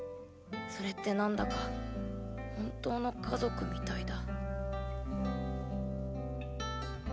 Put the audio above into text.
それって何だか本当の家族みたいだ。